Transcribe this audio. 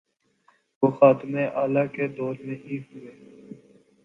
وہ خادم اعلی کے دور میں ہی ہوئے۔